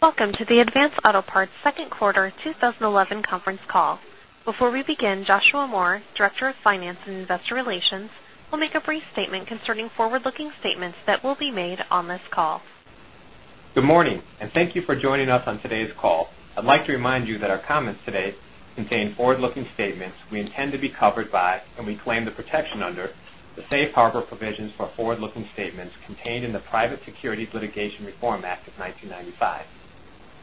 Welcome to the Advance Auto Parts second quarter 2011 conference call. Before we begin, Joshua Moore, Director of Finance and Investor Relations, will make a brief statement concerning forward-looking statements that will be made on this call. Good morning, and thank you for joining us on today's call. I'd like to remind you that our comments today contain forward-looking statements we intend to be covered by, and we claim the protection under the safe harbor provisions for forward-looking statements contained in the Private Securities Litigation Reform Act of 1995.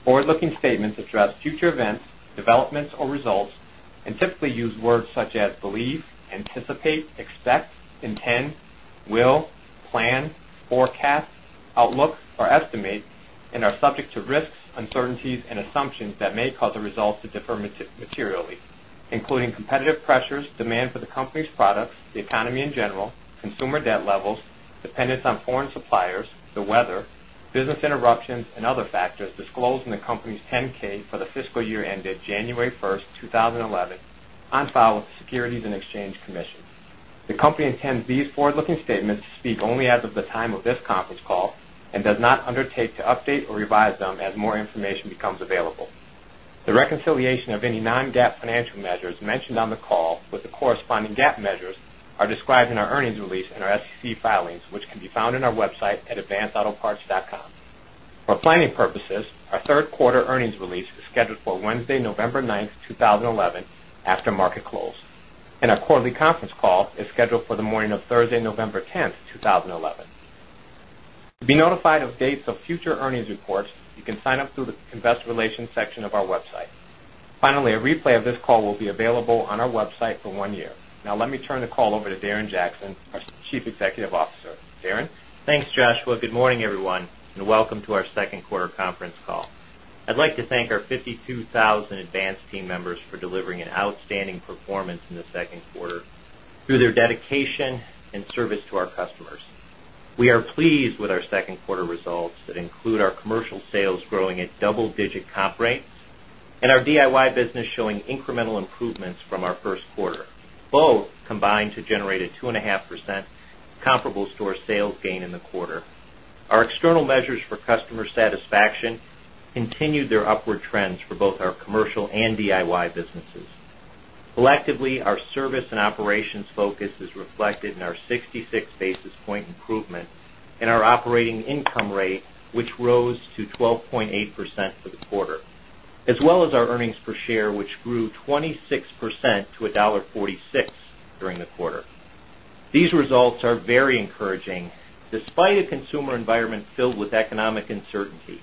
Forward-looking statements address future events, developments, or results, and typically use words such as believe, anticipate, expect, intend, will, plan, forecast, outlook, or estimate, and are subject to risks, uncertainties, and assumptions that may cause the results to differ materially, including competitive pressures, demand for the company's products, the economy in general, consumer debt levels, dependence on foreign suppliers, the weather, business interruptions, and other factors disclosed in the company's 10-K for the fiscal year ended January 1, 2011, on file with the Securities and Exchange Commission. The company intends these forward-looking statements to speak only as of the time of this conference call and does not undertake to update or revise them as more information becomes available. The reconciliation of any non-GAAP financial measures mentioned on the call with the corresponding GAAP measures are described in our earnings release and our SEC filings, which can be found on our website at advanceautoparts.com. For planning purposes, our third quarter earnings release is scheduled for Wednesday, November 9, 2011, after market close, and our quarterly conference call is scheduled for the morning of Thursday, November 10, 2011. To be notified of dates of future earnings reports, you can sign up through the Investor Relations section of our website. Finally, a replay of this call will be available on our website for one year. Now, let me turn the call over to Darren Jackson, our Chief Executive Officer. Darren. Thanks, Joshua. Good morning, everyone, and welcome to our second quarter conference call. I'd like to thank our 52,000 Advance team members for delivering an outstanding performance in the second quarter through their dedication and service to our customers. We are pleased with our second quarter results that include our commercial sales growing at double-digit comp rate, and our DIY business showing incremental improvements from our first quarter, both combined to generate a 2.5% comparable store sales gain in the quarter. Our external measures for customer satisfaction continued their upward trends for both our commercial and DIY businesses. Collectively, our service and operations focus is reflected in our 66 basis point improvement in our operating income rate, which rose to 12.8% for the quarter, as well as our earnings per share, which grew 26% to $1.46 during the quarter. These results are very encouraging despite a consumer environment filled with economic uncertainty.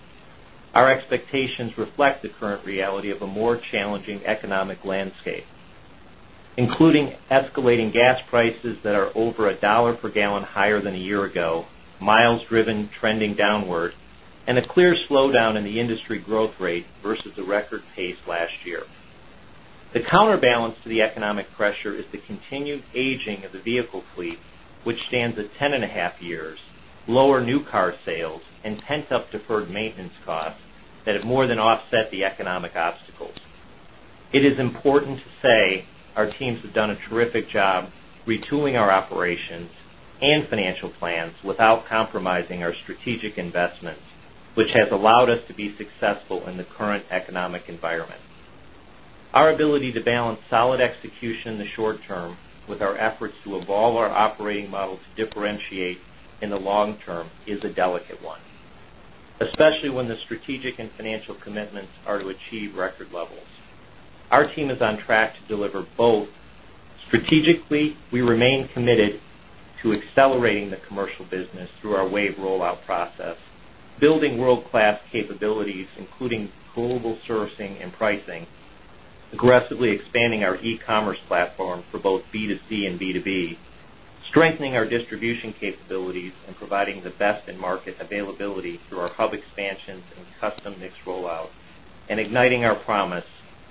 Our expectations reflect the current reality of a more challenging economic landscape, including escalating gas prices that are over $1 per gallon higher than a year ago, miles driven trending downward, and a clear slowdown in the industry growth rate versus the record pace last year. The counterbalance to the economic pressure is the continued aging of the vehicle fleet, which stands at 10.5 years, lower new car sales, and pent-up deferred maintenance costs that have more than offset the economic obstacles. It is important to say our teams have done a terrific job retooling our operations and financial plans without compromising our strategic investments, which has allowed us to be successful in the current economic environment. Our ability to balance solid execution in the short term with our efforts to evolve our operating model to differentiate in the long term is a delicate one, especially when the strategic and financial commitments are to achieve record levels. Our team is on track to deliver both. Strategically, we remain committed to accelerating the commercial business through our wave rollout process, building world-class capabilities, including global sourcing and pricing, aggressively expanding our e-commerce platform for both B2C and B2B, strengthening our distribution capabilities, and providing the best in market availability through our hub expansions and custom mix rollout, and igniting our promise,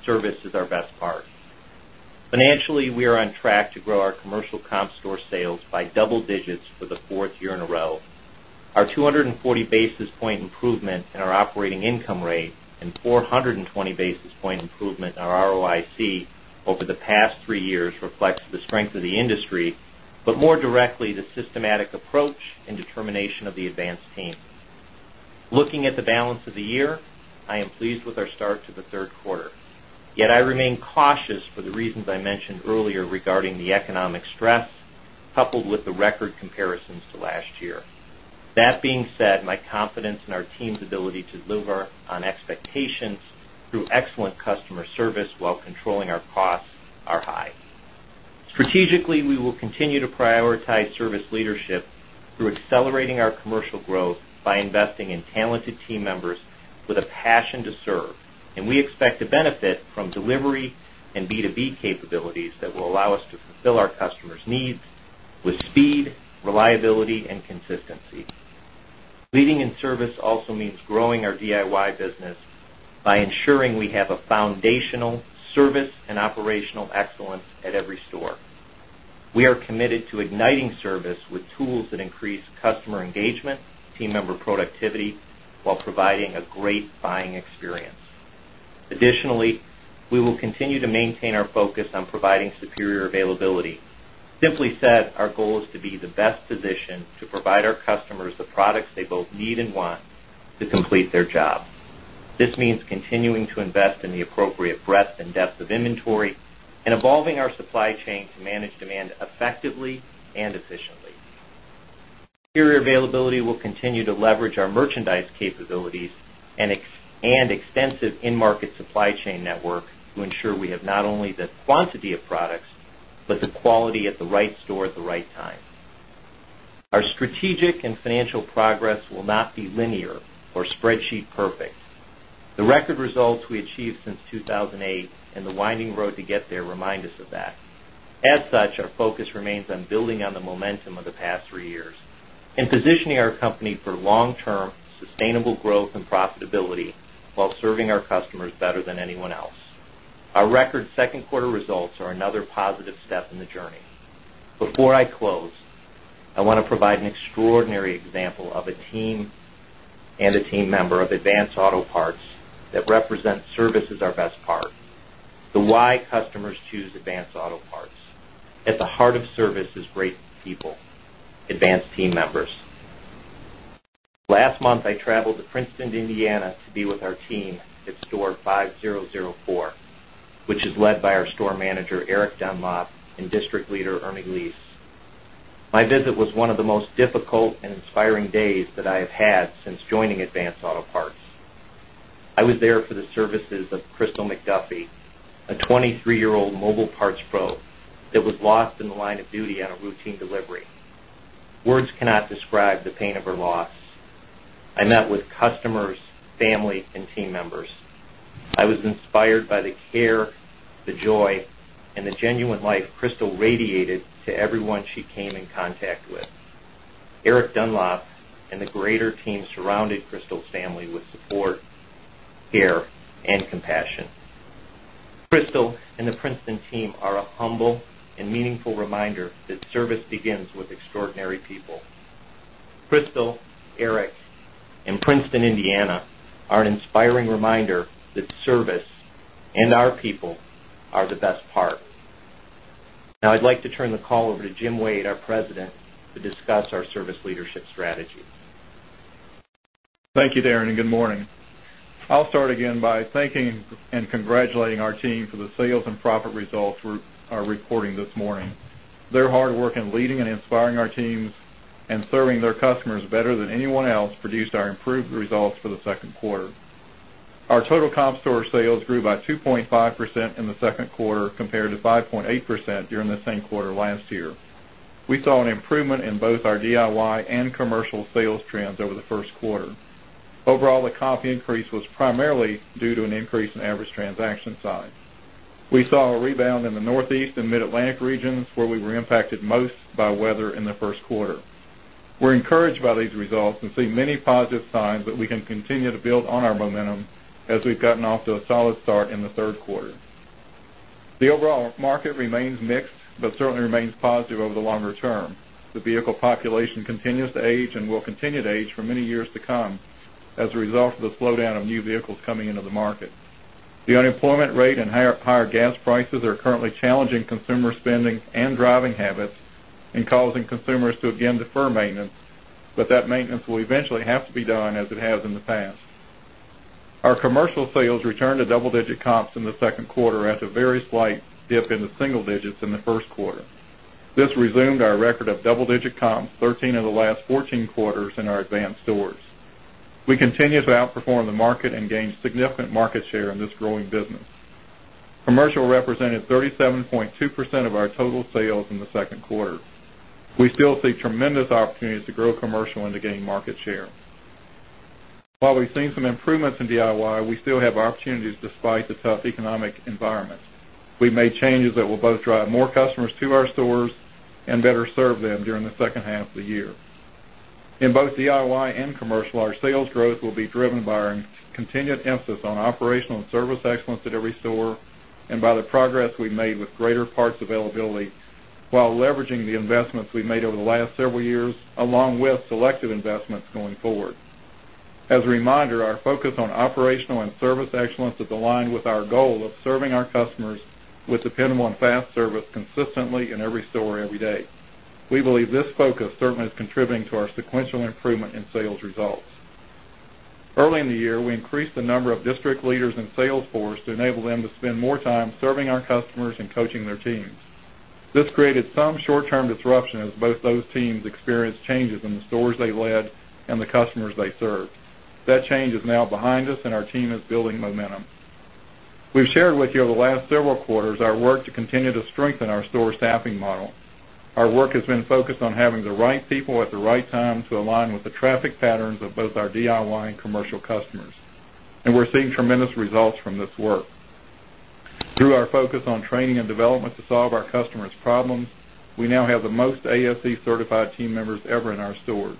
service is our best part. Financially, we are on track to grow our commercial comp store sales by double digits for the fourth year in a row. Our 240 basis point improvement in our operating income rate and 420 basis point improvement in our ROIC over the past three years reflect the strength of the industry, but more directly the systematic approach and determination of the Advance team. Looking at the balance of the year, I am pleased with our start to the third quarter. Yet, I remain cautious for the reasons I mentioned earlier regarding the economic stress coupled with the record comparisons to last year. That being said, my confidence in our team's ability to deliver on expectations through excellent customer service while controlling our costs are high. Strategically, we will continue to prioritize service leadership through accelerating our commercial growth by investing in talented team members with a passion to serve, and we expect to benefit from delivery and B2B capabilities that will allow us to fulfill our customers' needs with speed, reliability, and consistency. Leading in service also means growing our DIY business by ensuring we have a foundational service and operational excellence at every store. We are committed to igniting service with tools that increase customer engagement, team member productivity, while providing a great buying experience. Additionally, we will continue to maintain our focus on providing superior availability. Simply said, our goal is to be the best positioned to provide our customers the products they both need and want to complete their job. This means continuing to invest in the appropriate breadth and depth of inventory and evolving our supply chain to manage demand effectively and efficiently. Superior availability will continue to leverage our merchandise capabilities and extensive in-market supply chain network to ensure we have not only the quantity of products but the quality at the right store at the right time. Our strategic and financial progress will not be linear or spreadsheet perfect. The record results we achieved since 2008 and the winding road to get there remind us of that. As such, our focus remains on building on the momentum of the past three years and positioning our company for long-term sustainable growth and profitability while serving our customers better than anyone else. Our record second quarter results are another positive step in the journey. Before I close, I want to provide an extraordinary example of a team and a team member of Advance Auto Parts that represents service as our best part, the why customers choose Advance Auto Parts. At the heart of service is great people, Advance team members. Last month, I traveled to Princeton, Indiana, to be with our team at Store 5004, which is led by our Store Manager, Eric Dunlop, and District Leader, Ernie Leis. My visit was one of the most difficult and inspiring days that I have had since joining Advance Auto Parts. I was there for the services of Krystal McDuffie, a 23-year-old mobile parts pro that was lost in the line of duty on a routine delivery. Words cannot describe the pain of her loss. I met with customers, family, and team members. I was inspired by the care, the joy, and the genuine life Krystal radiated to everyone she came in contact with. Eric Dunlop and the greater team surrounded Krystal's family with support, care, and compassion. Krystal and the Princeton team are a humble and meaningful reminder that service begins with extraordinary people. Krystal, Eric, and Princeton, Indiana, are an inspiring reminder that service and our people are the best part. Now, I'd like to turn the call over to Jim Wade, our President, to discuss our service leadership strategy. Thank you, Darren, and good morning. I'll start again by thanking and congratulating our team for the sales and profit results we are recording this morning. Their hard work in leading and inspiring our teams and serving their customers better than anyone else produced our improved results for the second quarter. Our total comp store sales grew by 2.5% in the second quarter compared to 5.8% during the same quarter last year. We saw an improvement in both our DIY and commercial sales trends over the first quarter. Overall, the comp increase was primarily due to an increase in average transaction size. We saw a rebound in the Northeast and Mid-Atlantic regions, where we were impacted most by weather in the first quarter. We're encouraged by these results and see many positive signs that we can continue to build on our momentum as we've gotten off to a solid start in the third quarter. The overall market remains mixed, but certainly remains positive over the longer term. The vehicle population continues to age and will continue to age for many years to come as a result of the slowdown of new vehicles coming into the market. The unemployment rate and higher gas prices are currently challenging consumer spending and driving habits and causing consumers to again defer maintenance, but that maintenance will eventually have to be done as it has in the past. Our commercial sales returned to double-digit comps in the second quarter after a very slight dip in the single digits in the first quarter. This resumed our record of double-digit comps 13 of the last 14 quarters in our Advance stores. We continue to outperform the market and gain significant market share in this growing business. Commercial represented 37.2% of our total sales in the second quarter. We still see tremendous opportunities to grow commercial and to gain market share. While we've seen some improvements in DIY, we still have opportunities despite the tough economic environment. We've made changes that will both drive more customers to our stores and better serve them during the second half of the year. In both DIY and commercial, our sales growth will be driven by our continued emphasis on operational and service excellence at every store and by the progress we've made with greater parts availability while leveraging the investments we've made over the last several years, along with selective investments going forward. As a reminder, our focus on operational and service excellence is aligned with our goal of serving our customers with dependable and fast service consistently in every store every day. We believe this focus certainly is contributing to our sequential improvement in sales results. Early in the year, we increased the number of district leaders and sales force to enable them to spend more time serving our customers and coaching their teams. This created some short-term disruption as both those teams experienced changes in the stores they led and the customers they served. That change is now behind us, and our team is building momentum. We've shared with you over the last several quarters our work to continue to strengthen our store staffing model. Our work has been focused on having the right people at the right time to align with the traffic patterns of both our DIY and commercial customers, and we're seeing tremendous results from this work. Through our focus on training and development to solve our customers' problems, we now have the most ASE-certified team members ever in our stores.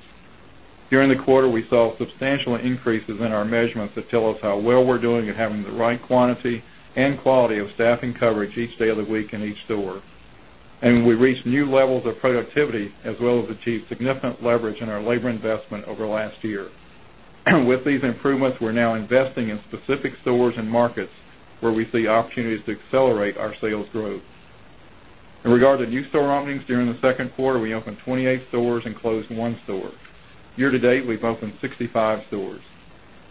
During the quarter, we saw substantial increases in our measurements that tell us how well we're doing at having the right quantity and quality of staffing coverage each day of the week in each store, and we reached new levels of productivity as well as achieved significant leverage in our labor investment over the last year. With these improvements, we're now investing in specific stores and markets where we see opportunities to accelerate our sales growth. In regard to new store openings during the second quarter, we opened 28 stores and closed 1 store. Year to date, we've opened 65 stores.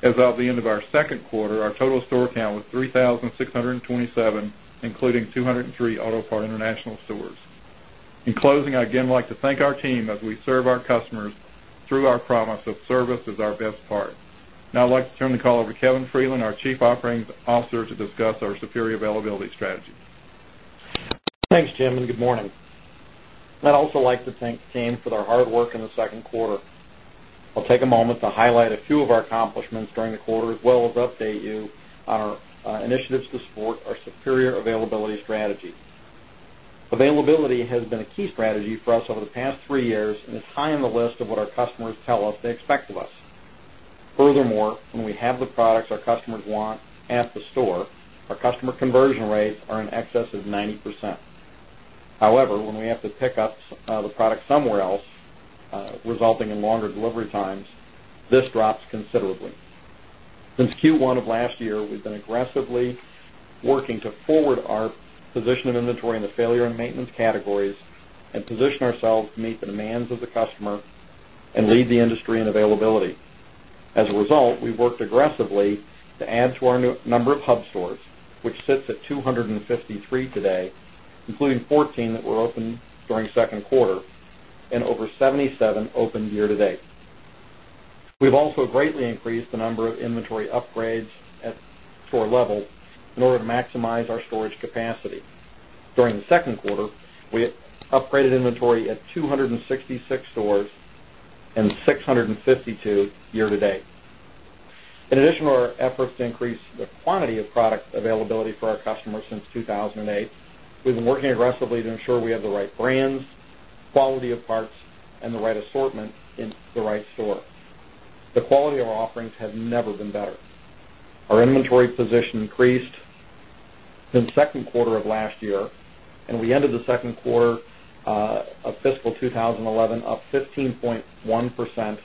As of the end of our second quarter, our total store count was 3,627, including 203 Auto Part International stores. In closing, I again would like to thank our team as we serve our customers through our promise of service as our best part. Now, I'd like to turn the call over to Kevin Freeland, our Chief Operating Officer, to discuss our superior availability strategy. Thanks, Jim, and good morning. I'd also like to thank the team for their hard work in the second quarter. I'll take a moment to highlight a few of our accomplishments during the quarter, as well as update you on our initiatives to support our superior availability strategy. Availability has been a key strategy for us over the past three years and is high on the list of what our customers tell us they expect of us. Furthermore, when we have the products our customers want at the store, our customer conversion rates are in excess of 90%. However, when we have to pick up the product somewhere else, resulting in longer delivery times, this drops considerably. Since Q1 of last year, we've been aggressively working to forward our position of inventory in the failure and maintenance categories and position ourselves to meet the demands of the customer and lead the industry in availability. As a result, we've worked aggressively to add to our number of hub stores, which sits at 253 today, including 14 that were open during the second quarter and over 77 opened year to date. We've also greatly increased the number of inventory upgrades at store levels in order to maximize our storage capacity. During the second quarter, we upgraded inventory at 266 stores and 652 year to date. In addition to our efforts to increase the quantity of product availability for our customers since 2008, we've been working aggressively to ensure we have the right brands, quality of parts, and the right assortment in the right store. The quality of our offerings has never been better. Our inventory position increased since the second quarter of last year, and we ended the second quarter of fiscal 2011 up 15.1%,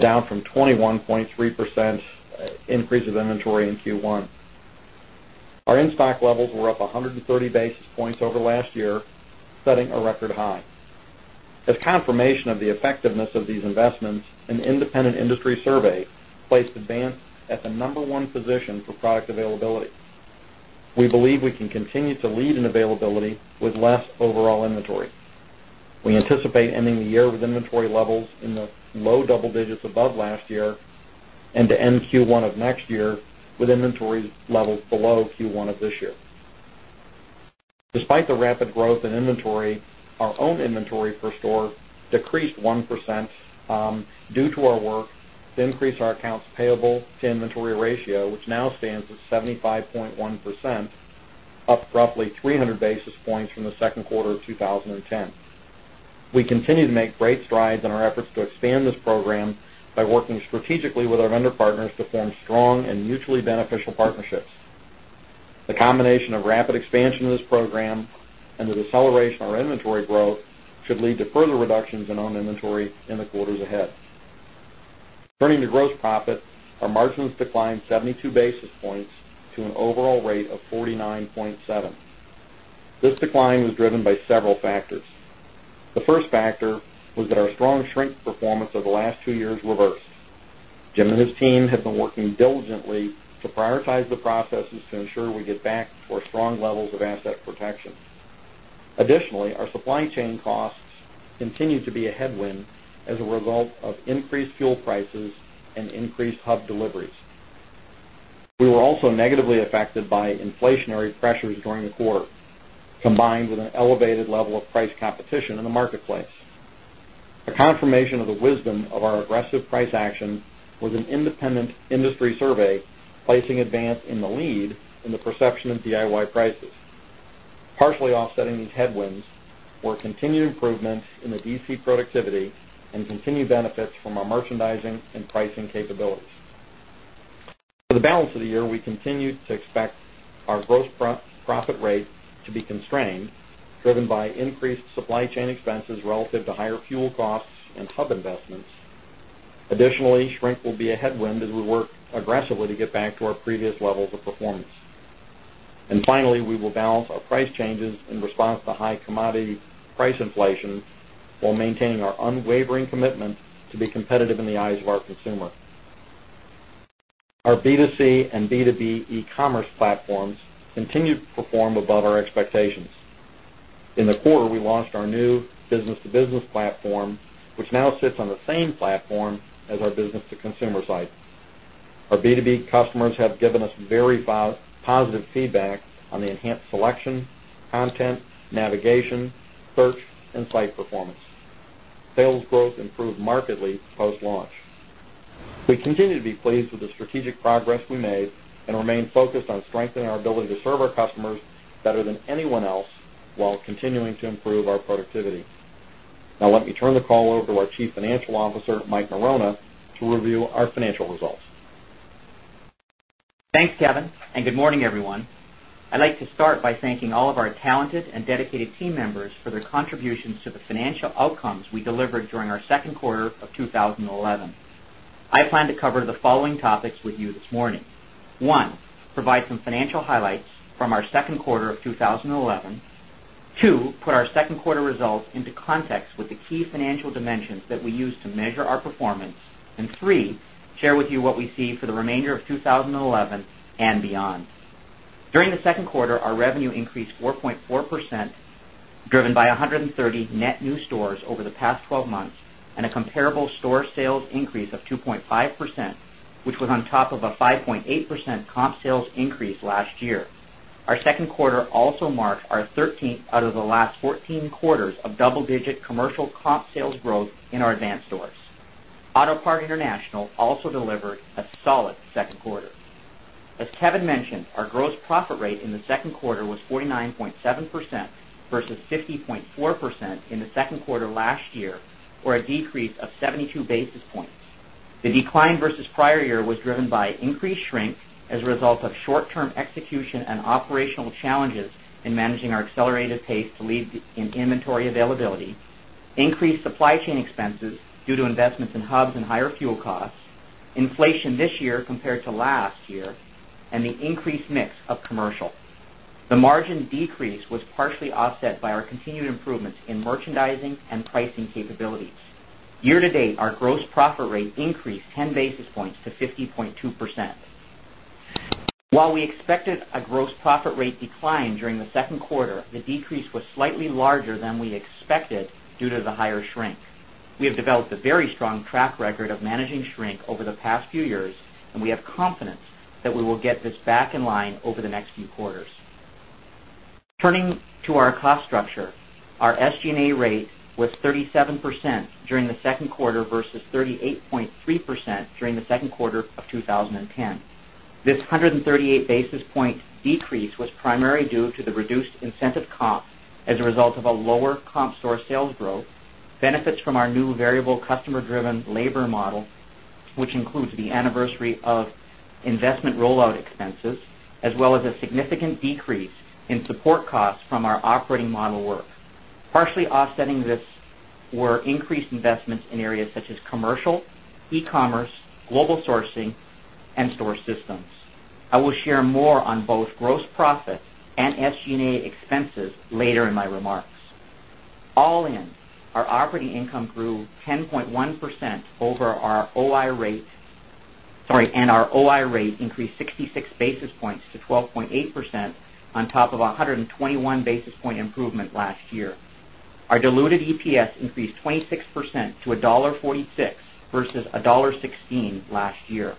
down from 21.3% increase of inventory in Q1. Our in-stock levels were up 130 basis points over the last year, setting a record high. As confirmation of the effectiveness of these investments, an independent industry survey placed Advance at the number one position for product availability. We believe we can continue to lead in availability with less overall inventory. We anticipate ending the year with inventory levels in the low double digits above last year and to end Q1 of next year with inventory levels below Q1 of this year. Despite the rapid growth in inventory, our own inventory for stores decreased 1% due to our work to increase our accounts payable to inventory ratio, which now stands at 75.1%, up roughly 300 basis points from the second quarter of 2010. We continue to make great strides in our efforts to expand this program by working strategically with our vendor partners to form strong and mutually beneficial partnerships. The combination of rapid expansion of this program and the acceleration of our inventory growth should lead to further reductions in owned inventory in the quarters ahead. Turning to gross profit, our margins declined 72 basis points to an overall rate of 49.7%. This decline was driven by several factors. The first factor was that our strong shrink performance over the last two years reversed. Jim and his team had been working diligently to prioritize the processes to ensure we get back to our strong levels of asset protection. Additionally, our supply chain costs continued to be a headwind as a result of increased fuel prices and increased hub deliveries. We were also negatively affected by inflationary pressures during the quarter, combined with an elevated level of price competition in the marketplace. A confirmation of the wisdom of our aggressive price action was an independent industry survey placing Advance Auto Parts in the lead in the perception of DIY prices. Partially offsetting these headwinds were continued improvements in the DC productivity and continued benefits from our merchandising and pricing capabilities. For the balance of the year, we continue to expect our gross profit rate to be constrained, driven by increased supply chain expenses relative to higher fuel costs and hub investments. Additionally, shrink will be a headwind as we work aggressively to get back to our previous levels of performance. Finally, we will balance our price changes in response to high commodities price inflation while maintaining our unwavering commitment to be competitive in the eyes of our consumer. Our B2C and B2B e-commerce platforms continue to perform above our expectations. In the quarter, we launched our new business-to-business platform, which now sits on the same platform as our business-to-consumer site. Our B2B customers have given us very positive feedback on the enhanced selection, content, navigation, search, and site performance. Sales growth improved markedly post-launch. We continue to be pleased with the strategic progress we made and remain focused on strengthening our ability to serve our customers better than anyone else while continuing to improve our productivity. Now, let me turn the call over to our Chief Financial Officer, Mike Norona, to review our financial results. Thanks, Kevin, and good morning, everyone. I'd like to start by thanking all of our talented and dedicated team members for their contributions to the financial outcomes we delivered during our second quarter of 2011. I plan to cover the following topics with you this morning. One, provide some financial highlights from our second quarter of 2011. Two, put our second quarter results into context with the key financial dimensions that we use to measure our performance. Three, share with you what we see for the remainder of 2011 and beyond. During the second quarter, our revenue increased 4.4%, driven by 130 net new stores over the past 12 months, and a comparable store sales increase of 2.5%, which was on top of a 5.8% comp sales increase last year. Our second quarter also marked our 13th out of the last 14 quarters of double-digit commercial comp sales growth in our Advance stores. Auto Part International also delivered a solid second quarter. As Kevin mentioned, our gross profit rate in the second quarter was 49.7% versus 50.4% in the second quarter last year, or a decrease of 72 basis points. The decline versus prior year was driven by increased shrink as a result of short-term execution and operational challenges in managing our accelerated pace to lead in inventory availability, increased supply chain expenses due to investments in hubs and higher fuel costs, inflation this year compared to last year, and the increased mix of commercial. The margin decrease was partially offset by our continued improvements in merchandising and pricing capabilities. Year to date, our gross profit rate increased 10 basis points to 50.2%. While we expected a gross profit rate decline during the second quarter, the decrease was slightly larger than we expected due to the higher shrink. We have developed a very strong track record of managing shrink over the past few years, and we have confidence that we will get this back in line over the next few quarters. Turning to our cost structure, our SG&A rate was 37% during the second quarter versus 38.3% during the second quarter of 2010. This 138 basis point decrease was primarily due to the reduced incentive comps as a result of a lower comp store sales growth, benefits from our new variable customer-driven labor model, which includes the anniversary of investment rollout expenses, as well as a significant decrease in support costs from our operating model work. Partially offsetting this were increased investments in areas such as commercial, e-commerce, global sourcing, and store systems. I will share more on both gross profit and SG&A expenses later in my remarks. All in, our operating income grew 10.1% and our OI rate increased 66 basis points to 12.8% on top of a 121 basis point improvement last year. Our diluted EPS increased 26% to $1.46 versus $1.16 last year.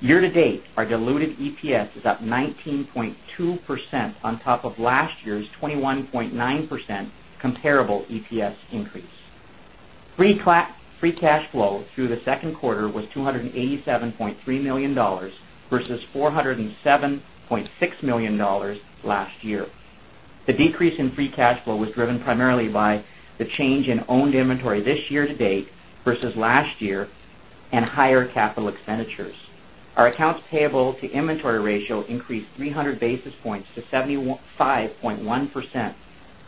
Year to date, our diluted EPS is up 19.2% on top of last year's 21.9% comparable EPS increase. Free cash flow through the second quarter was $287.3 million versus $407.6 million last year. The decrease in free cash flow was driven primarily by the change in owned inventory this year to date versus last year and higher capital expenditures. Our accounts payable to inventory ratio increased 300 basis points to 75.1%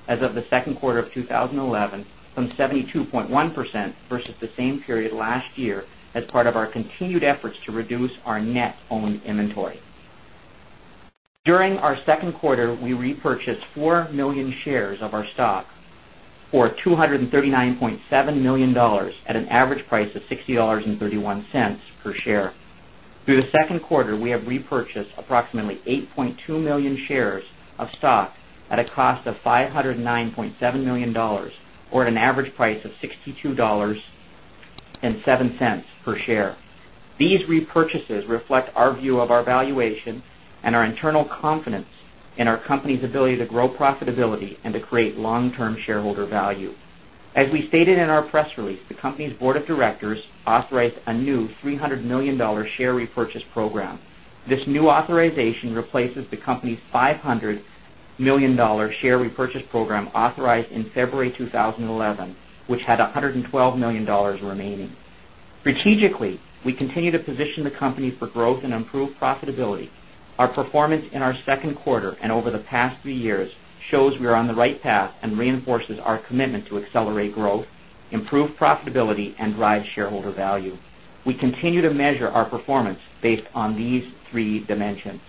as of the second quarter of 2011, from 72.1% versus the same period last year as part of our continued efforts to reduce our net owned inventory. During our second quarter, we repurchased 4 million shares of our stock for $239.7 million at an average price of $60.31 per share. Through the second quarter, we have repurchased approximately 8.2 million shares of stock at a cost of $509.7 million, or at an average price of $62.07 per share. These repurchases reflect our view of our valuation and our internal confidence in our company's ability to grow profitability and to create long-term shareholder value. As we stated in our press release, the company's board of directors authorized a new $300 million share repurchase program. This new authorization replaces the company's $500 million share repurchase program authorized in February 2011, which had $112 million remaining. Strategically, we continue to position the company for growth and improved profitability. Our performance in our second quarter and over the past three years shows we are on the right path and reinforces our commitment to accelerate growth, improve profitability, and drive shareholder value. We continue to measure our performance based on these three dimensions.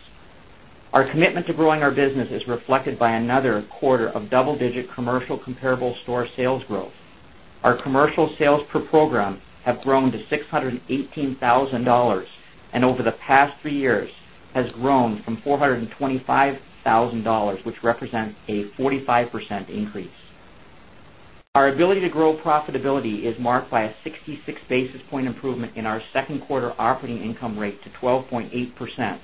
Our commitment to growing our business is reflected by another quarter of double-digit commercial comparable store sales growth. Our commercial sales per program have grown to $618,000 and over the past three years has grown from $425,000, which represents a 45% increase. Our ability to grow profitability is marked by a 66 basis point improvement in our second quarter operating income rate to 12.8%.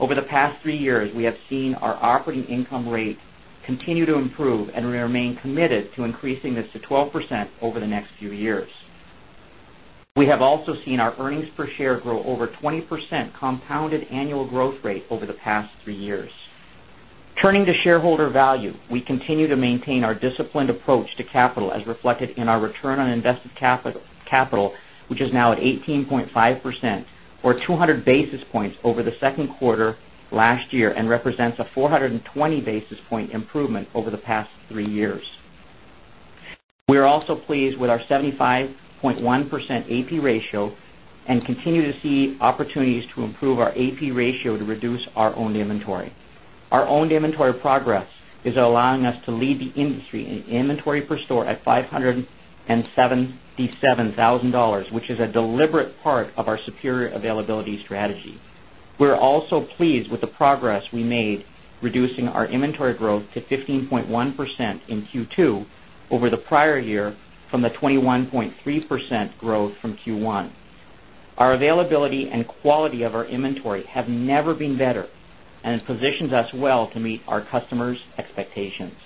Over the past three years, we have seen our operating income rate continue to improve and remain committed to increasing this to 12% over the next few years. We have also seen our earnings per share grow over 20% compounded annual growth rate over the past three years. Turning to shareholder value, we continue to maintain our disciplined approach to capital as reflected in our return on invested capital, which is now at 18.5% or 200 basis points over the second quarter last year and represents a 420 basis point improvement over the past three years. We are also pleased with our 75.1% A/P ratio and continue to see opportunities to improve our A/P ratio to reduce our owned inventory. Our owned inventory progress is allowing us to lead the industry in inventory per store at $577,000, which is a deliberate part of our superior availability strategy. We're also pleased with the progress we made, reducing our inventory growth to 15.1% in Q2 over the prior year from the 21.3% growth from Q1. Our availability and quality of our inventory have never been better, and it positions us well to meet our customers' expectations.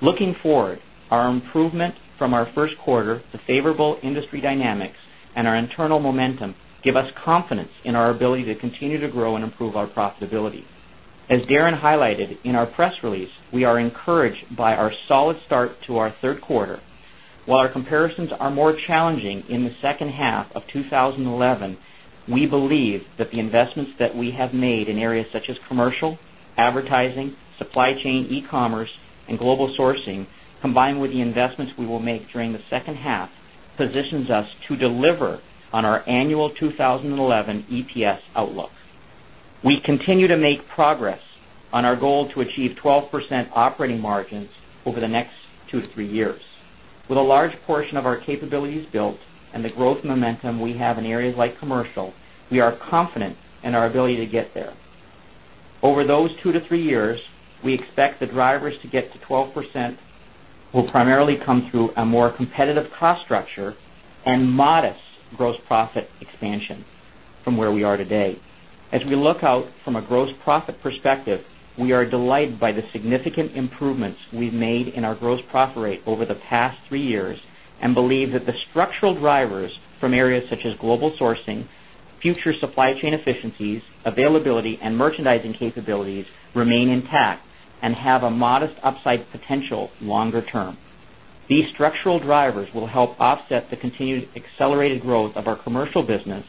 Looking forward, our improvements from our first quarter to favorable industry dynamics and our internal momentum give us confidence in our ability to continue to grow and improve our profitability. As Darren highlighted in our press release, we are encouraged by our solid start to our third quarter. While our comparisons are more challenging in the second half of 2011, we believe that the investments that we have made in areas such as commercial, advertising, supply chain, e-commerce, and global sourcing, combined with the investments we will make during the second half, positions us to deliver on our annual 2011 EPS outlook. We continue to make progress on our goal to achieve 12% operating margins over the next two to three years. With a large portion of our capabilities built and the growth momentum we have in areas like commercial, we are confident in our ability to get there. Over those two to three years, we expect the drivers to get to 12% will primarily come through a more competitive cost structure and modest gross profit expansion from where we are today. As we look out from a gross profit perspective, we are delighted by the significant improvements we've made in our gross profit rate over the past three years and believe that the structural drivers from areas such as global sourcing, future supply chain efficiencies, availability, and merchandising capabilities remain intact and have a modest upside potential longer term. These structural drivers will help offset the continued accelerated growth of our commercial business,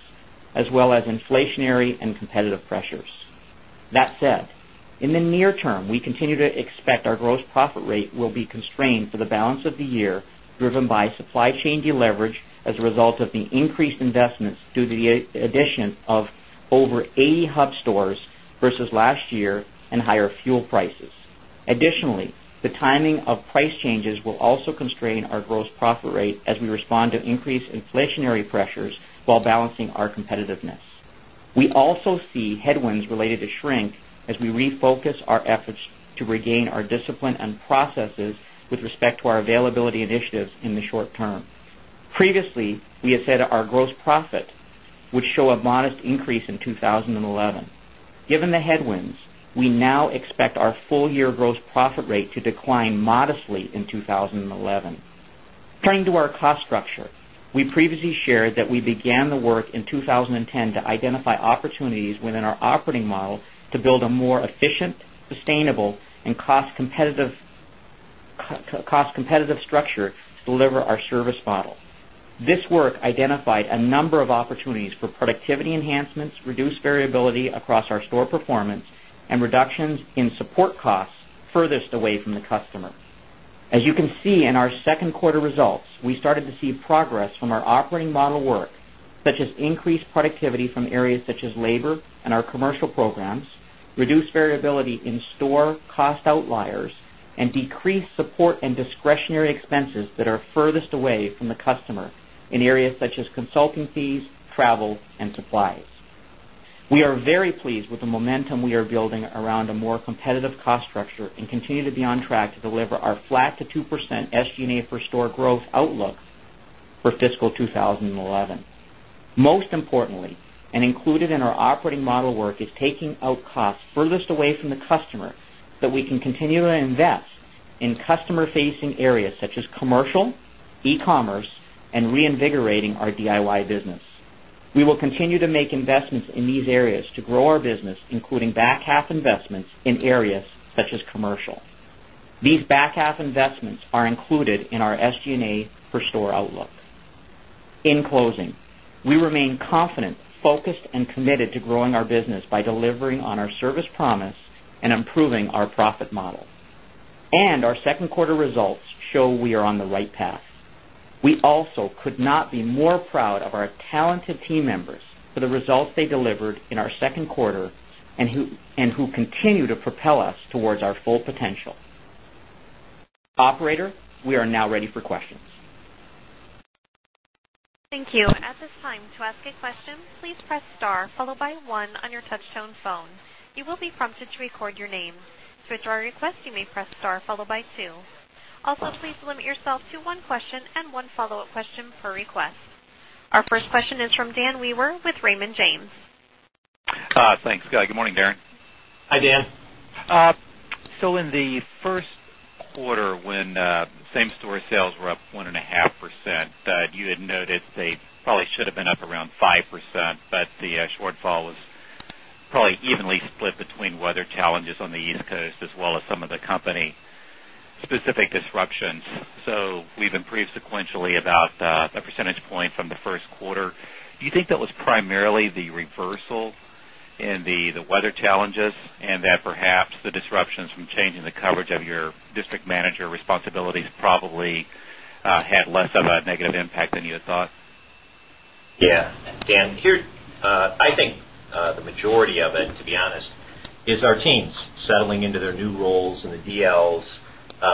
as well as inflationary and competitive pressures. That said, in the near term, we continue to expect our gross profit rate will be constrained for the balance of the year, driven by supply chain deleverage as a result of the increased investments due to the addition of over 80 hub stores versus last year and higher fuel prices. Additionally, the timing of price changes will also constrain our gross profit rate as we respond to increased inflationary pressures while balancing our competitiveness. We also see headwinds related to shrink as we refocus our efforts to regain our discipline and processes with respect to our availability initiatives in the short term. Previously, we have said our gross profit would show a modest increase in 2011. Given the headwinds, we now expect our full-year gross profit rate to decline modestly in 2011. Turning to our cost structure, we previously shared that we began the work in 2010 to identify opportunities within our operating model to build a more efficient, sustainable, and cost-competitive structure to deliver our service model. This work identified a number of opportunities for productivity enhancements, reduced variability across our store performance, and reductions in support costs furthest away from the customer. As you can see in our second quarter results, we started to see progress from our operating model work, such as increased productivity from areas such as labor and our commercial programs, reduced variability in store cost outliers, and decreased support and discretionary expenses that are furthest away from the customer in areas such as consulting fees, travel, and supplies. We are very pleased with the momentum we are building around a more competitive cost structure and continue to be on track to deliver our flat to 2% SG&A for store growth outlook for fiscal 2011. Most importantly, and included in our operating model work, is taking out costs furthest away from the customer so that we can continue to invest in customer-facing areas such as commercial, e-commerce, and reinvigorating our DIY business. We will continue to make investments in these areas to grow our business, including back half investments in areas such as commercial. These back half investments are included in our SG&A for store outlook. In closing, we remain confident, focused, and committed to growing our business by delivering on our service promise and improving our profit model. Our second quarter results show we are on the right path. We also could not be more proud of our talented team members for the results they delivered in our second quarter and who continue to propel us towards our full potential. Operator, we are now ready for questions. Thank you. At this time, to ask a question, please press star followed by one on your touch-tone phone. You will be prompted to record your name. For our request, you may press star followed by two. Also, please limit yourself to one question and one follow-up question per request. Our first question is from Dan Wewer with Raymond James. Thanks, good morning, Darren. Hi, Dan. In the first quarter, when same-store sales were up 1.5%, you had noted they probably should have been up around 5%, but the shortfall was probably evenly split between weather challenges on the East Coast as well as some of the company-specific disruptions. We've improved sequentially about a percentage point from the first quarter. Do you think that was primarily the reversal in the weather challenges and that perhaps the disruptions from changing the coverage of your district manager responsibilities probably had less of a negative impact than you had thought? Yes, Dan. I think the majority of it, to be honest, is our teams settling into their new roles and the DLs.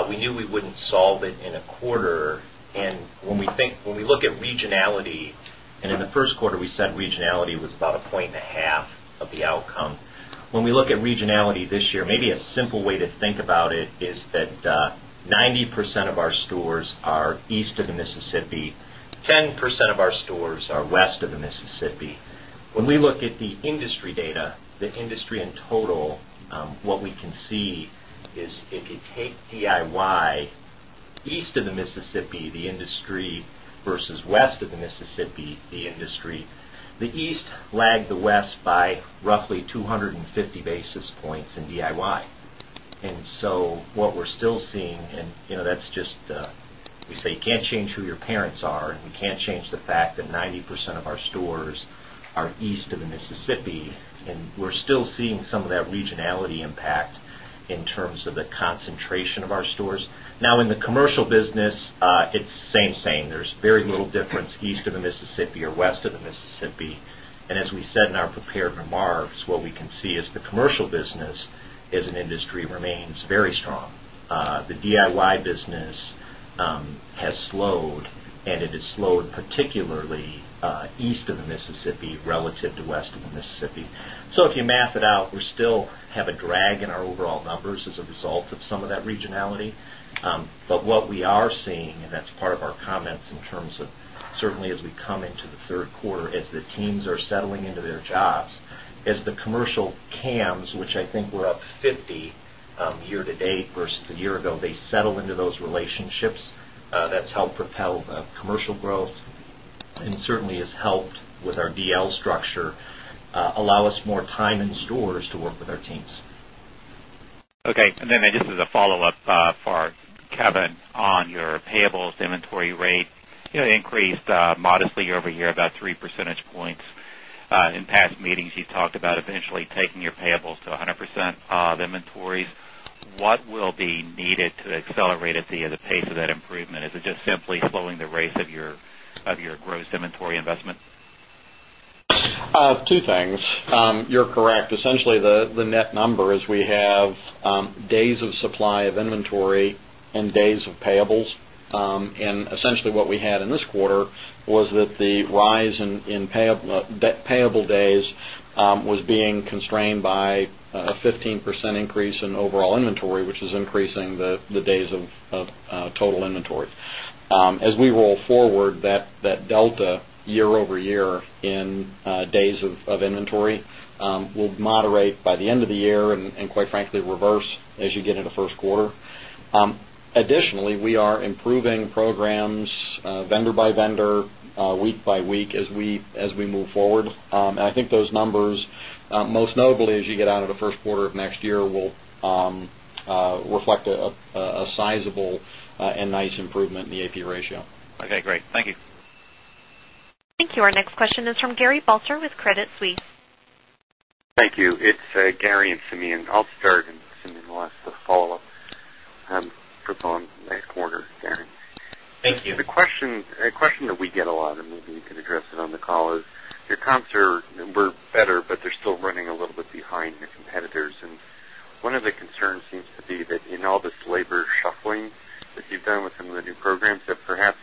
We knew we wouldn't solve it in a quarter. When we look at regionality, in the first quarter, we said regionality was about a point and a half of the outcome. When we look at regionality this year, maybe a simple way to think about it is that 90% of our stores are east of the Mississippi, 10% of our stores are west of the Mississippi. When we look at the industry data, the industry in total, what we can see is if you take DIY east of the Mississippi, the industry, versus west of the Mississippi, the industry, the east lagged the west by roughly 250 basis points in DIY. What we're still seeing, you can't change who your parents are, and you can't change the fact that 90% of our stores are east of the Mississippi, and we're still seeing some of that regionality impact in terms of the concentration of our stores. Now, in the commercial business, it's the same thing. There's very little difference east of the Mississippi or west of the Mississippi. As we said in our prepared remarks, what we can see is the commercial business as an industry remains very strong. The DIY business has slowed, and it has slowed particularly east of the Mississippi relative to west of the Mississippi. If you math it out, we still have a drag in our overall numbers as a result of some of that regionality. What we are seeing, and that's part of our comments in terms of certainly as we come into the third quarter, as the teams are settling into their jobs, as the commercial cams, which I think were up 50 year to date versus a year ago, they settle into those relationships. That's helped propel the commercial growth and certainly has helped with our DL structure allow us more time in stores to work with our teams. Okay. Just as a follow-up for Kevin on your payables, the inventory rate increased modestly year over year, about 3%. In past meetings, you talked about eventually taking your payables to 100% of inventories. What will be needed to accelerate the pace of that improvement? Is it just simply slowing the rate of your gross inventory investment? Two things. You're correct. Essentially, the net number is we have days of supply of inventory and days of payables. Essentially, what we had in this quarter was that the rise in payable days was being constrained by a 15% increase in overall inventory, which is increasing the days of total inventory. As we roll forward, that delta year over year in days of inventory will moderate by the end of the year and, quite frankly, reverse as you get into the first quarter. Additionally, we are improving programs vendor by vendor, week by week as we move forward. I think those numbers, most notably as you get out of the first quarter of next year, will reflect a sizable and nice improvement in the accounts payable to inventory ratio. Okay, great. Thank you. Thank you. Our next question is from Gary Balter with Crédit Suisse. Thank you. It's Gary and Simeon. I'll start and Simeon will ask the follow-up group on the quarters, Darren. Thank you. The question that we get a lot, and maybe you can address it on the call, is your comps are numbered better, but they're still running a little bit behind the competitors. One of the concerns seems to be that in all this labor shuffling that you've done with some of the new programs that perhaps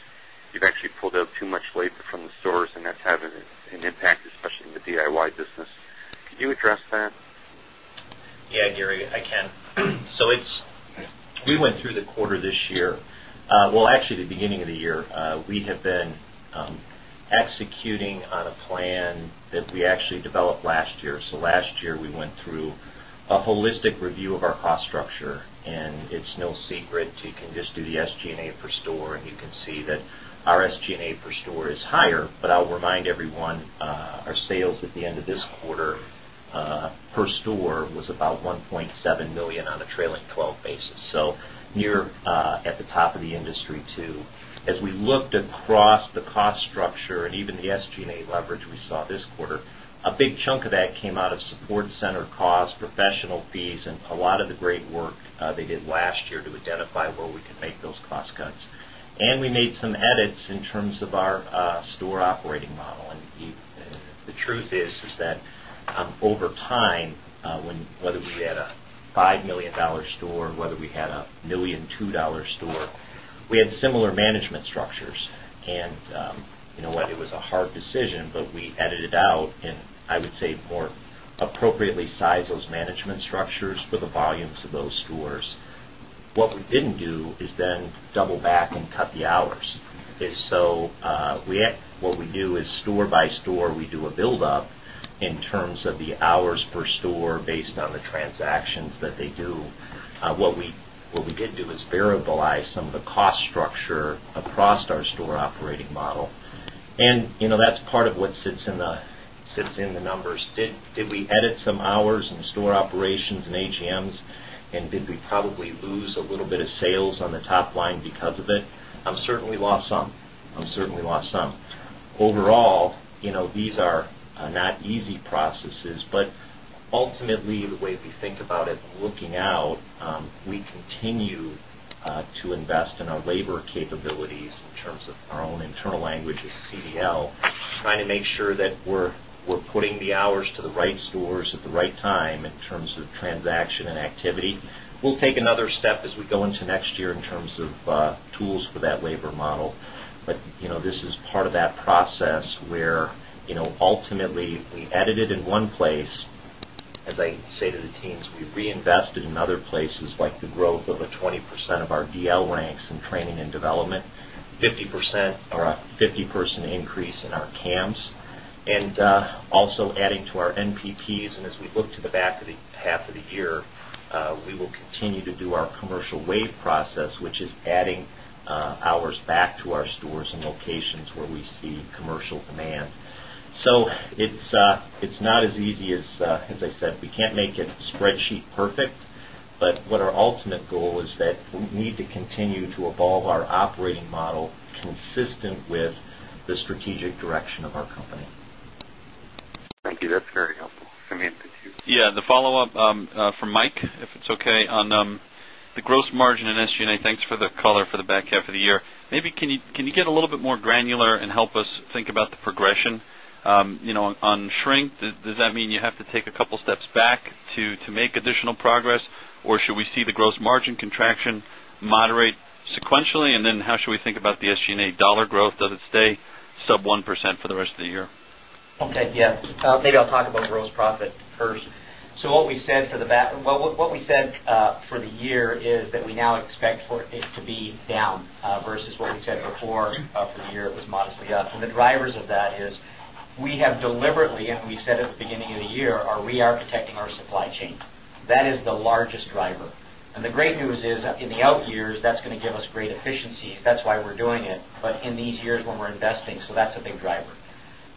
you've actually pulled out too much weight from the stores, and that's having an impact, especially in the DIY segment. Could you address that? Yeah, Gary, I can. We went through the quarter this year. At the beginning of the year, we have been executing on a plan that we actually developed last year. Last year, we went through a holistic review of our cost structure, and it's no secret. You can just do the SG&A for store, and you can see that our SG&A for store is higher. I'll remind everyone, our sales at the end of this quarter for store was about $1.7 million on a trailing 12 basis. You're at the top of the industry too. As we looked across the cost structure and even the SG&A leverage we saw this quarter, a big chunk of that came out of support center costs, professional fees, and a lot of the great work they did last year to identify where we can make those cost cuts. We made some edits in terms of our store operating model. The truth is that over time, whether we had a $5 million store or a $1.2 million store, we had similar management structures. It was a hard decision, but we edited out and I would say more appropriately sized those management structures for the volumes of those stores. What we didn't do is then double back and cut the hours. What we do is store by store, we do a build-up in terms of the hours per store based on the transactions that they do. What we did do is variabilize some of the cost structure across our store operating model. That's part of what sits in the numbers. Did we edit some hours in the store operations and AGMs? Did we probably lose a little bit of sales on the top line because of it? I'm certain we lost some. I'm certain we lost some. Overall, these are not easy processes, but ultimately, the way we think about it looking out, we continue to invest in our labor capabilities in terms of our own internal language, CDL, trying to make sure that we're putting the hours to the right stores at the right time in terms of transaction and activity. We'll take another step as we go into next year in terms of tools for that labor model. This is part of that process where ultimately we edited in one place. As I say to the teams, we reinvested in other places like the growth of 20% of our DL ranks and training and development, 50% or a 50-person increase in our cams, and also adding to our NPPs. As we look to the back half of the year, we will continue to do our commercial wave process, which is adding hours back to our stores and locations where we see commercial demand. It is not as easy as I said. We can't make it spreadsheet perfect, but our ultimate goal is that we need to continue to evolve our operating model consistent with the strategic direction of our company. Thank you. That's very helpful. Simeon, did you? Yeah, the follow-up from Mike, if it's okay, on the gross margin and SG&A. Thanks for the color for the back half of the year. Maybe can you get a little bit more granular and help us think about the progression? You know on shrink, does that mean you have to take a couple of steps back to make additional progress, or should we see the gross margin contraction moderate sequentially? How should we think about the SG&A dollar growth? Does it stay sub 1% for the rest of the year? I'll take yes. Maybe I'll talk about gross profit first. What we said for the year is that we now expect for it to be down versus what we said before for the year. It was modestly up. The drivers of that is we have deliberately, and we said at the beginning of the year, are re-architecting our supply chain. That is the largest driver. The great news is in the out years, that's going to give us great efficiencies. That's why we're doing it. In these years, when we're investing, that's a big driver.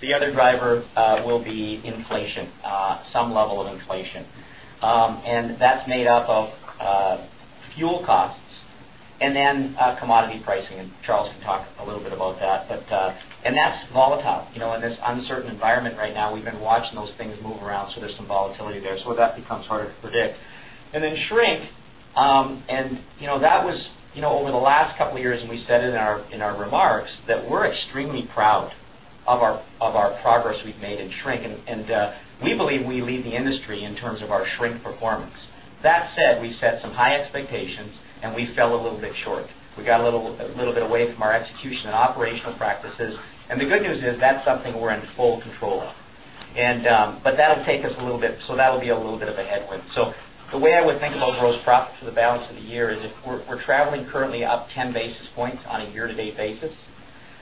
The other driver will be inflation, some level of inflation. That's made up of fuel costs and then commodity pricing. Charles can talk a little bit about that. That's volatile. In this uncertain environment right now, we've been watching those things move around. There's some volatility there. That becomes harder to predict. Then shrink. Over the last couple of years, and we said in our remarks that we're extremely proud of our progress we've made in shrink. We believe we lead the industry in terms of our shrink performance. That said, we set some high expectations, and we fell a little bit short. We got a little bit away from our execution and operational practices. The good news is that's something we're in full control of, but that'll take us a little bit. That'll be a little bit of a headwind. The way I would think about gross profit for the balance of the year is if we're traveling currently up 10 basis points on a year-to-date basis,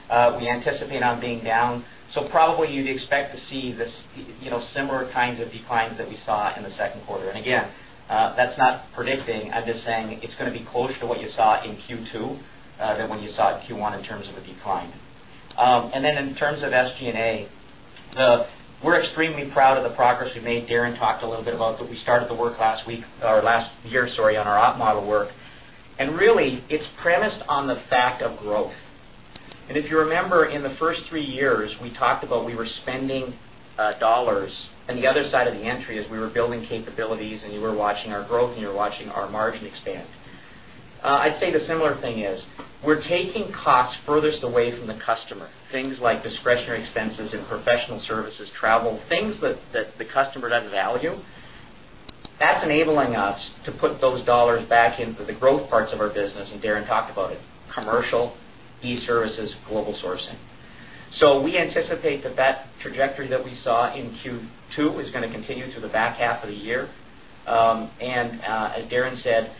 we anticipate on being down. Probably you'd expect to see this, similar kinds of declines that we saw in the second quarter. Again, that's not predicting. I'm just saying it's going to be close to what you saw in Q2 than when you saw it in Q1 in terms of the decline. In terms of SG&A, we're extremely proud of the progress we made. Darren talked a little bit about that. We started the work last year on our model work. Really, it's premised on the fact of growth. If you remember, in the first three years, we talked about we were spending dollars. The other side of the entry is we were building capabilities, and you were watching our growth, and you were watching our margin expand. I'd say the similar thing is we're taking costs furthest away from the customer, things like discretionary expenses and professional services, travel, things that the customer doesn't value. That's enabling us to put those dollars back into the growth parts of our business. Darren talked about it: commercial, e-services, global sourcing. We anticipate that the trajectory we saw in Q2 is going to continue through the back half of the year. As Darren said,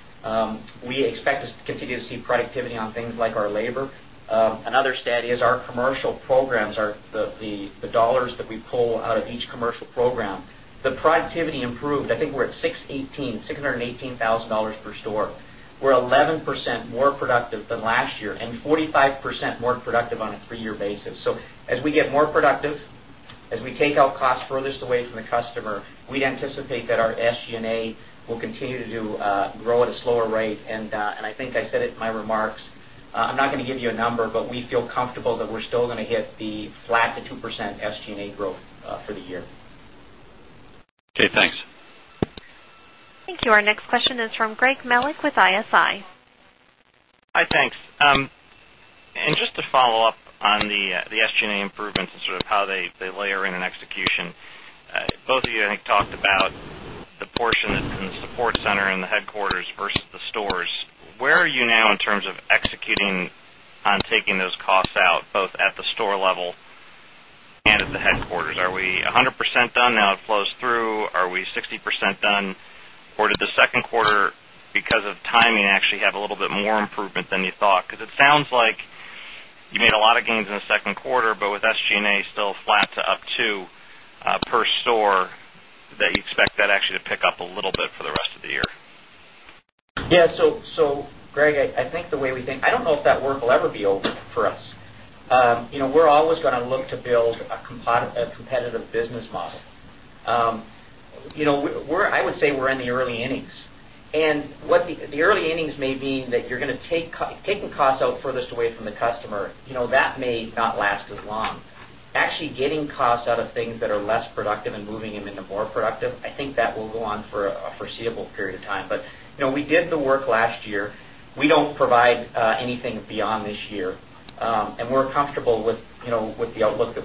we expect to continue to see productivity on things like our labor. Another stat is our commercial programs, the dollars that we pull out of each commercial program, the productivity improved. I think we're at $618,000 per store. We're 11% more productive than last year and 45% more productive on a three-year basis. As we get more productive, as we take out costs furthest away from the customer, we anticipate that our SG&A will continue to grow at a slower rate. I think I said it in my remarks. I'm not going to give you a number, but we feel comfortable that we're still going to hit the flat to 2% SG&A growth for the year. Okay, thanks. Thank you. Our next question is from Greg Melich with Evercore ISI. Hi, thanks. Just to follow up on the SG&A improvements and sort of how they layer in an execution, both of you, I think, talked about the portion that's in the support center and the headquarters versus the stores. Where are you now in terms of executing on taking those costs out, both at the store level and at the headquarters? Are we 100% done now it flows through? Are we 60% done? Did the second quarter, because of timing, actually have a little bit more improvement than you thought? It sounds like you made a lot of gains in the second quarter, but with SG&A still flat to up 2% per store, you expect that actually to pick up a little bit for the rest of the year. Yeah. Greg, I think the way we think, I don't know if that work will ever be over for us. We're always going to look to build a competitive business model. I would say we're in the early innings. What the early innings may mean is that you're going to take costs out furthest away from the customer. That may not last as long. Actually, getting costs out of things that are less productive and moving them into more productive, I think that will go on for a foreseeable period of time. We did the work last year. We don't provide anything beyond this year, and we're comfortable with the outlook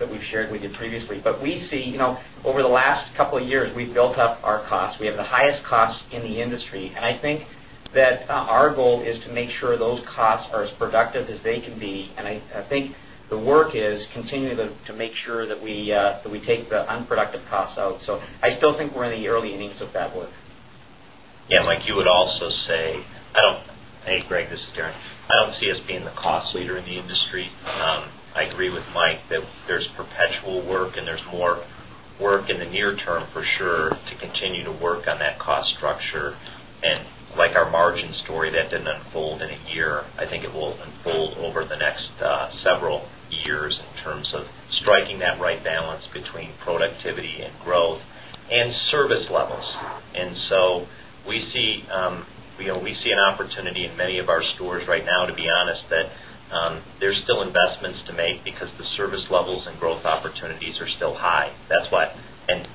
that we've shared with you previously. We see over the last couple of years, we've built up our costs. We have the highest costs in the industry, and I think that our goal is to make sure those costs are as productive as they can be. The work is continuing to make sure that we take the unproductive costs out. I still think we're in the early innings of that work. Mike, you would also say, Greg, this is Darren. I don't see us being the cost leader in the industry. I agree with Mike that there's perpetual work and there's more work in the near term for sure to continue to work on that cost structure. Like our margin story that didn't unfold in a year, I think it will unfold over the next several years in terms of striking that right balance between productivity and growth and service levels. We see an opportunity in many of our stores right now, to be honest, that there's still investments to make because the service levels and growth opportunities are still high. That's why.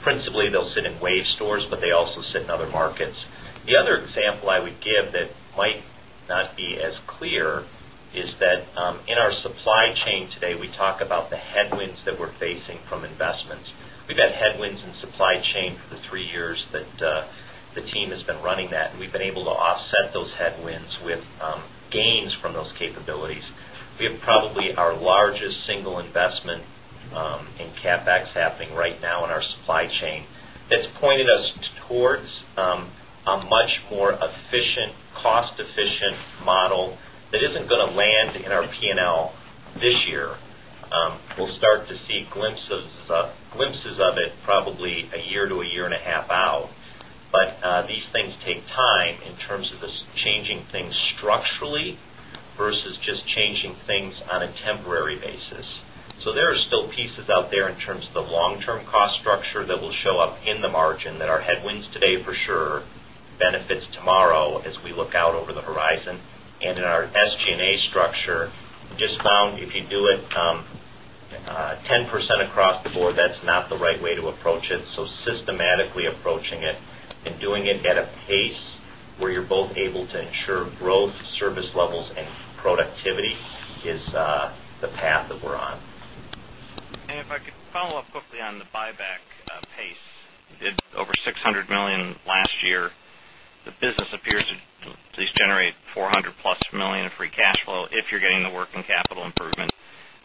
Principally, they'll sit in wave stores, but they also sit in other markets. The other example I would give that might not be as clear is that in our supply chain today, we talk about the headwinds that we're facing from investments. We've had headwinds in supply chain for the three years that the team has been running that, and we've been able to offset those headwinds with gains from those capabilities. We have probably our largest single investment in CapEx backstaffing right now in our supply chain that's pointed us towards a much more efficient, cost-efficient model that isn't going to land in our P&L this year. We'll start to see glimpses of it probably a year to a year and a half out. These things take time in terms of us changing things structurally versus just changing things on a temporary basis. There are still pieces out there in terms of the long-term cost structure that will show up in the margin that are headwinds today for sure, benefit tomorrow as we look out over the horizon. In our SG&A structure, we just found if you do it 10% across the board, that's not the right way to approach it. Systematically approaching it and doing it at a pace where you're both able to ensure growth, service levels, and productivity is the path that we're on. If I could follow up quickly on the buyback pace, you did over $600 million last year. The business appears to generate $400-plus million in free cash flow if you're getting the working capital improvement.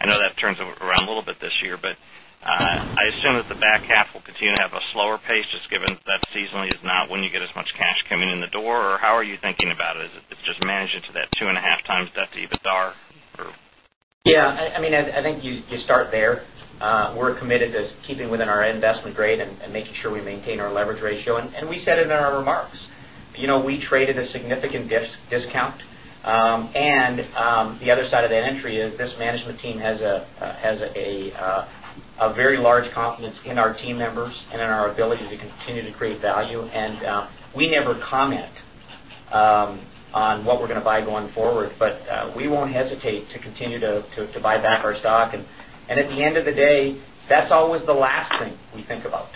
I know that turns around a little bit this year, but I assume that the back half will continue to have a slower pace just given that seasonally is not when you get as much cash coming in the door. How are you thinking about it? Is it just managing to that 2.5 times debt to EBITDA? Yeah, I mean, I think you start there. We're committed to keeping within our investment grade and making sure we maintain our leverage ratio. We said it in our remarks. You know, we traded at a significant discount. The other side of that entry is this management team has a very large confidence in our team members and in our ability to continue to create value. We never comment on what we're going to buy going forward, but we won't hesitate to continue to buy back our stock. At the end of the day, that's always the last thing we think about.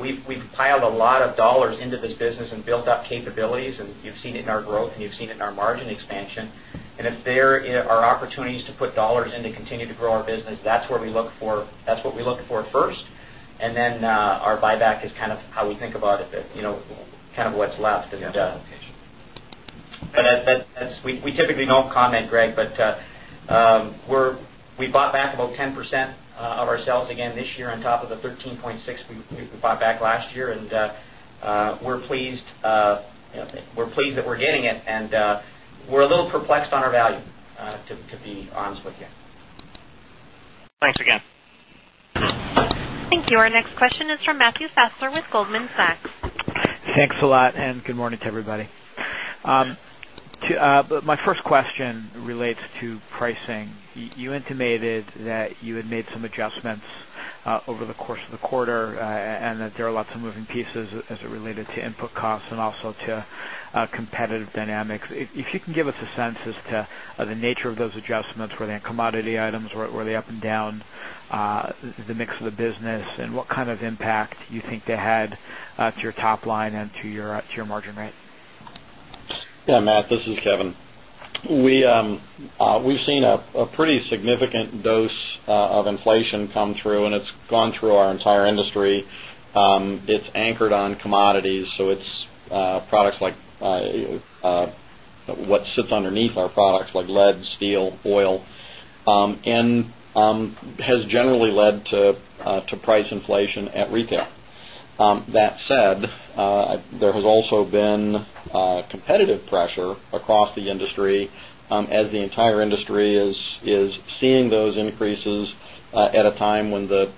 We've piled a lot of dollars into this business and built up capabilities, and you've seen it in our growth, and you've seen it in our margin expansion. If there are opportunities to put dollars in to continue to grow our business, that's what we look for first. Our buyback is kind of how we think about it, kind of what's left in the debt. We typically don't comment, Greg, but we bought back about 10% of ourselves again this year on top of the 13.6% we bought back last year. We're pleased that we're getting it. We're a little perplexed on our value, to be honest with you. Thanks again. Thank you. Our next question is from Matthew Fassler with Goldman Sachs. Thanks a lot, and good morning to everybody. My first question relates to pricing. You intimated that you had made some adjustments over the course of the quarter, and that there are lots of moving pieces as it related to input costs and also to competitive dynamics. If you can give us a sense as to the nature of those adjustments, were they in commodity items? Were they up and down? Is the mix of the business, and what kind of impact do you think they had to your top line and to your margin rates? Yeah, Matt. This is Kevin. We've seen a pretty significant dose of inflation come through, and it's gone through our entire industry. It's anchored on commodities, so it's products like what sits underneath our products like lead, steel, oil, and has generally led to price inflation at retail. That said, there has also been competitive pressure across the industry as the entire industry is seeing those increases at a time when the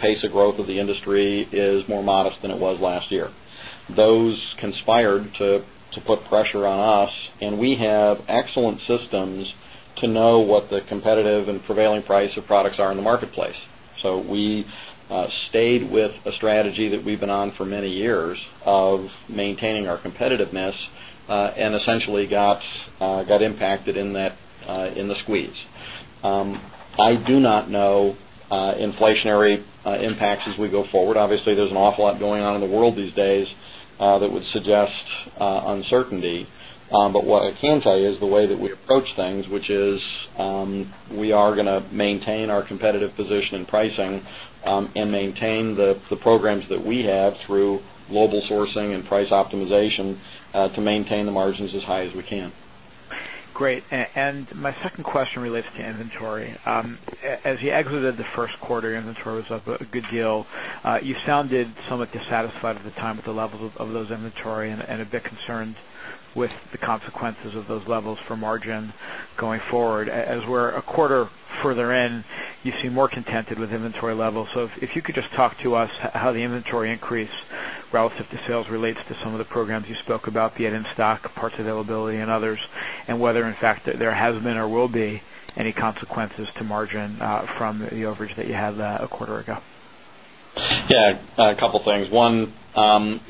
pace of growth of the industry is more modest than it was last year. Those conspired to put pressure on us, and we have excellent systems to know what the competitive and prevailing price of products are in the marketplace. We stayed with a strategy that we've been on for many years of maintaining our competitiveness and essentially got impacted in the squeeze. I do not know inflationary impacts as we go forward. Obviously, there's an awful lot going on in the world these days that would suggest uncertainty. What I can tell you is the way that we approach things, which is we are going to maintain our competitive position in pricing and maintain the programs that we have through global sourcing and price optimization to maintain the margins as high as we can. Great. My second question relates to inventory. As you exited the first quarter, your inventory was up a good deal. You sounded somewhat dissatisfied at the time with the levels of that inventory and a bit concerned with the consequences of those levels for margin going forward. As we're a quarter further in, you seem more contented with inventory levels. If you could just talk to us about how the inventory increase relative to sales relates to some of the programs you spoke about, be it in stock, parts availability, and others, and whether, in fact, there has been or will be any consequences to margin from the overage that you had a quarter ago. Yeah, a couple of things. One,